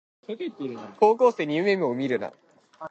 高校生に夢をみるな